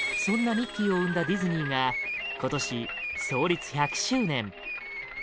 ミッキーを生んだディズニーが今年創立１００周年